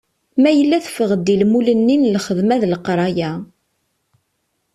Ma yella teffeɣ-d i lmul-nni n lxedma d leqraya.